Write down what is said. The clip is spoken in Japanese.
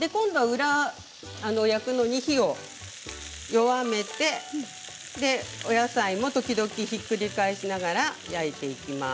今度は裏を焼くのに火を弱めてお野菜も時々ひっくり返しながら焼いていきます。